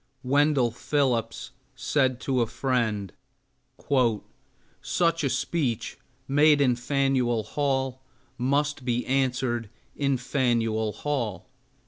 Wendell Phillips said to a friend, "Such a speech made in Faneuil Hall must be answered in Faneuil Hall."